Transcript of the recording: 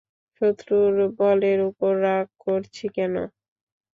শত্রুর বলের উপর রাগ করছি কেন?